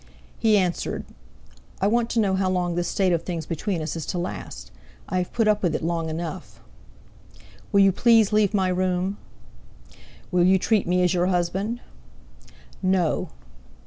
He answered: "I want to know how long this state of things between us is to last? I have put up with it long enough." "Will you please leave my room?" "Will you treat me as your husband?" "No."